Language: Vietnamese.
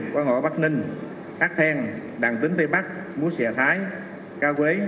quán hộ bắc ninh hát then đàn tính tây bắc mua xè thái cao quế